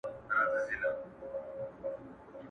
o چرته هندوان، چرته توتان!